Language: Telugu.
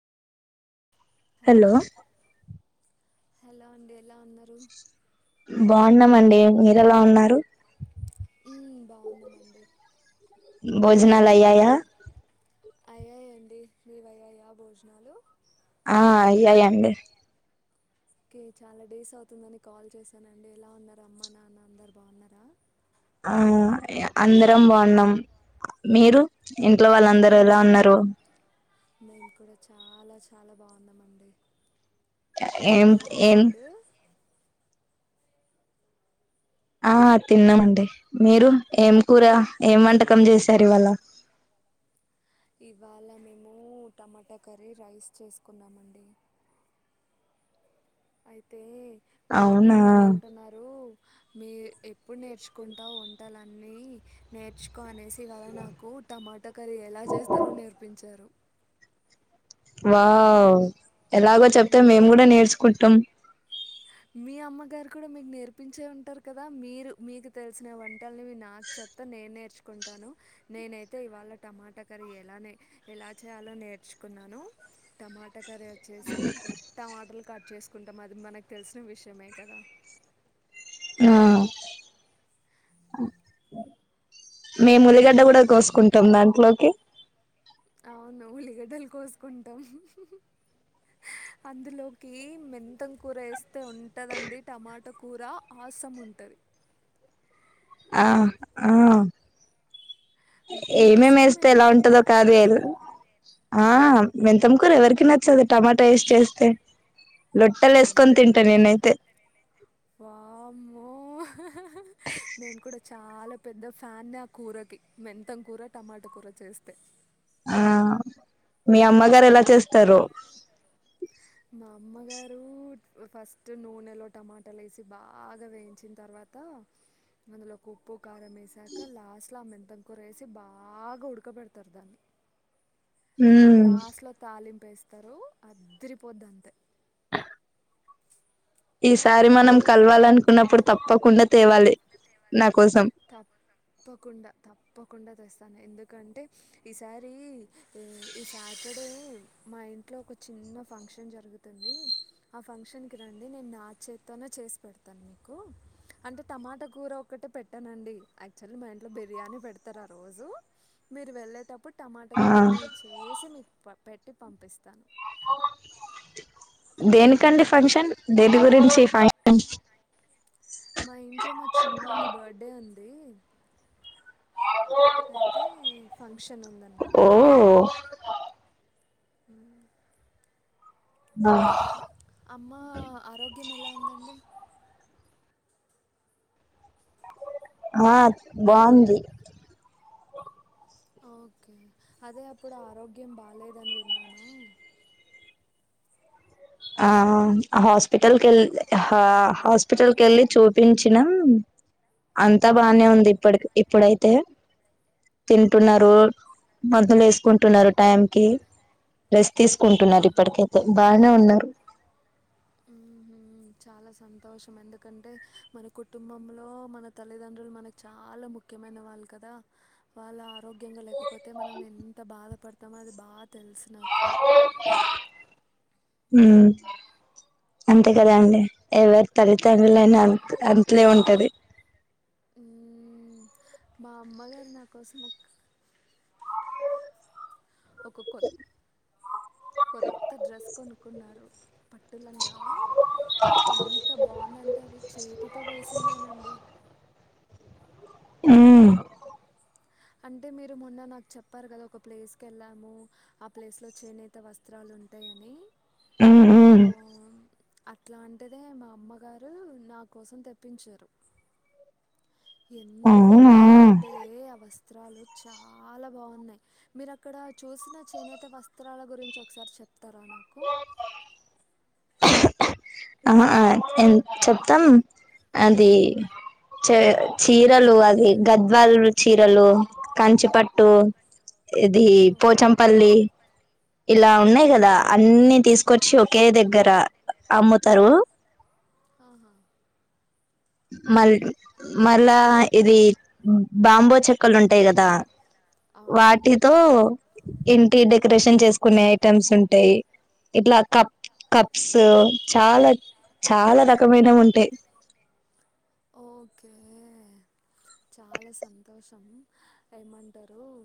హలో హలో అండి ఎలా ఉన్నరు అన్నామండి మీర్ ఎలా ఉన్నారు ఈ బాగుఉన్నాం అండి భోజనాలయయా అయ్యాయాండి మీవయ్యాయా భోజనాలు ఆ ఐ ఐ అండి ఓకే చాలా డేస్ అవుతుందని కాల్ చేశాను అండి ఎలా ఉన్నారు అమ్మ నాన్న అందరు బాగున్నారా ఆ అందరం బాగున్నాం మీరు ఇంట్లో వాళ్ళందర్ ఎలా మ్మ్ ఉన్నరు మేము కూడా చాలా చాలా బాగున్నామండి ఎం తిన్నారా ఎన్ ఫుడ్ ఆ తిన్నామండి మీరు ఏం కూర ఏం వంటకం చేసారు ఇవాళ ఇవాళ మేము టమాటా కర్రీ రైస్ చేసుకున్నామండి అయితే మా అమ్మ అవునా గారు అంటున్నారు మీర్ ఇప్పుడు నేర్చుకుంటా వంటాలన్ అన్నీ నేర్చుకో అనేసి ఇవాళ నాకు టమాట కర్రీ ఎలా చేస్తారో నేర్పించారు వావ్ ఎలాగో చెప్తే మేము మ్మ్. గూడం నేర్చుకుంటాం మీ అమ్మగారు కూడా మీకు నేర్పించే ఉంటారు గదా మీరు మీకు తెలిసిన వంటలని నాకు చెపుతా నేను నేర్చుకుంటాను నేనైతే ఇవాళ టమాటా కర్రీ ఎలానే ఎలా చేయాలో నేర్చుకున్నాను టమాటా కర్రీ వచ్చేసి టమాటలక్ కట్ చేసుకుంటాం అది మనక్ తెలిసిన విషయమే కదా ఆ అ మేము ఉల్లిగడ్డ గుడా ఏంటండి కోసుకుంటాం దాంట్లోకి అవును ఉల్లిగడ్డలు కోసుకుంటాం అందులోకి మెంతం కూర వేస్ తే ఉంటదండి టమాటో కూర ఆసం ఉంటది ఆ ఆ ఏం మీకు ఏం వేస్తే ఇష్టమేనా ఎలా అలాగా ఉంటదో కారేదు ఆ మెంతంకూర ఎవరికి నచ్చదు టమాటా వేసి చేస్తే లోట్టల్ ఎసుకొని అంతే తింటా అంటారా నేనైతే మో హ్ హ్ నేను కూడా చాలా పెద్ద ఫ్యాన్ నా కూరకి మెంతం కూర టమాటా కూర చేస్తే ఆ మీ అమ్మగారు ఎలా చేస్తారు మా అమ్మగారు ఫస్ట్ నూనెలో టమాటాలు వేసి బాగా వేయించిన తర్వాత అందులో ఉప్పు కారం వేసాక లాస్ట్ లో ఆ మెంత మొతం కూర వేసి బాగా ఉడకబెడతారు దాన్ని ఉమ్ లాస్ట్ లో తాలింపు వేస్తారు అదిరిపోద్ది అంతే ఈసారి మనం కలవాలనుకున్నప్పుడు తప్పకుండా తేవాలే నాక తప్పకుండా తప్ప తప్పకుండా తెస్తాను ఎందుకంటే ఈసారి ఈ సాటర్డే మా ఇంట్లో ఒక చిన్న ఫంక్షన్ జరుగుతుంది ఆ ఫంక్షన్ కి రండి నేను నాచేతోనే చేసి పెడతాను మీకు అంటే టమాటా కూర ఒకటే పెట్ట పెటానండి యాక్చువల్లీ మా ఇంట్లో బిర్యానీ పెడతారు ఆ రోజు మీరు వెళ్ళేటప్పుడు టమాటా ఆ కూర నేను చేసి మీకు పంపి పెట్టి పంపిస్తా దేనికండి ఫంక్షన్ దేని గురించి ఫంక్షన్ మా ఇంట్లో మా చిన్ననోనిది బర్త్డే ఉంది అమ్ అయితే ఫంక్షన్ ఉందన్నమాట ఓ ఉ ఆహ్ అమ్మ ఆరోగ్యం ఎలా ఉందండి ఆ బాగుంది అ ఓకే అదే అప్పుడు ఆరోగ్యం బాలేదని విన్నాను ఆ హాస్పిటల్ వెల్ హా హాస్పిటల్ కేళ్ళి చూపించినా అంతా మ్హూ. బానే ఉంది ఇప్పటికి ఇప్పుడైతే ఓకే తింటున్నారు మందులు వేసుకుంటున్నారు టైం కి రెస్ట్ తీసుకుంటున్నారు ఓకే ఇప్పటికైతే బాగానే ఉన్నారు ఉహుమ్ చాలా సంతోషం ఎందుకంటే మన కుటుంబంలో మన తల్లిదండ్రులు మనకు చాలా ముఖ్యమైన వాళ్ళు కదా వాళ్ళ ఆరోగ్యంగా లేకపోతే మనం ఎంత బాధపడుత తమది బాద్ తెలుసు నాకు ఉమ్ అంతే కదండి ఎవరి తల్లితండ్రులు అయినా అంత అంతే ఉంటది ఉమ్ మా అమ్మగారు నాకోసం ఒక ఒక కొ కొత్త డ్రెస్ కొనుక్కున్నారు పట్టు లంగా ఎంత బాగుందంటే అది చేతితో వేసిందేనండి మ్ అంటే మీరు మొన్న నాకు చెప్పారు కదా ఒక ప్లేస్కి వెళ్ళాము ఆ ప్లేస్లో చేనేత వస్త్రాలు ఉంటాయని ఉమ్ ఆ అట్లాంటిదే మా అమ్మగారు నా కోసం తెప్పించారు ఎంత ఉమ్ బాగుందంటే అవస్ వస్త్రాలు చాలా బాగున్నాయి మీరు అక్కడ చూసిన చేనేత వస్త్రాల గురించి ఒకసారి చె త్తర నాకు ఆ ఎ చెప్తాం అది చ చీరలు అది గద్వాలు చీరలు కంచిపట్టు ఇది పోచంపల్లి ఇలా ఆహా ఉన్నాయి కదా అన్నిీ తీసుకొచ్చి కే దగ్గర అమ్ము హలో ఆహా మల్ మళ్ళా ఇది బాంబో చెక్కలు ఉంటాయి కదా అవునవును వాటితో ఇంటిడ డెకరేషన్ చేసుకునే ఐటమ్స్ ఉంటాయి ఇట్లా కప్ కప్స్ చాలా చాలా రకమైన ఉంటాయి ఉంటాయి ఓకే చాలా సంతోషం ఏమంటారు